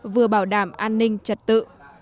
vừa bảo đảm an ninh trật tự